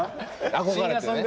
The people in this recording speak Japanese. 憧れてね。